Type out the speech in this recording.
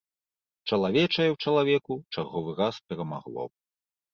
Чалавечае ў чалавеку чарговы раз перамагло.